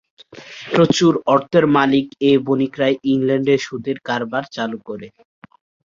প্রচুর অর্থের মালিক এ বণিকরাই ইংল্যান্ডে সুদের কারবার চালু করে।